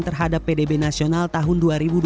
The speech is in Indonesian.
terhadap pdb nasional tahun dua ribu dua puluh